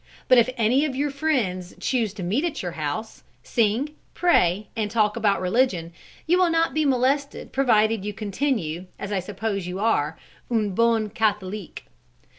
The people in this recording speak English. But if any of your friends choose to meet at your house, sing, pray, and talk about religion, you will not be molested provided you continue, as I suppose you are, un bon Catholique."